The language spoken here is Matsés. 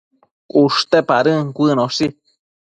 ushte padën cuënoshi